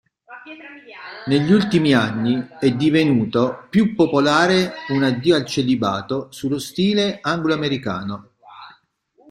Negli ultimi anni è divenuto più popolare un addio al celibato sullo stile anglo-americano.